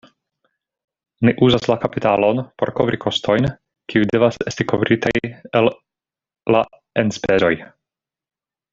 Ni uzas la kapitalon por kovri kostojn, kiuj devas esti kovritaj el la enspezoj.